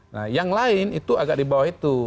nah yang lain itu agak di bawah itu